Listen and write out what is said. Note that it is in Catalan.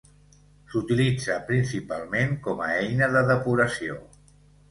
S'utilitza principalment com a eina de depuració.